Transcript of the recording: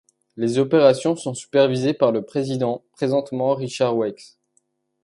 Les opérations sont supervisées par le président, présentement Richard Wex.